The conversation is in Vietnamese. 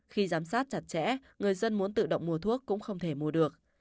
khi giám sát chặt chẽ người dân muốn tự động mua thuốc cũng không thể mua được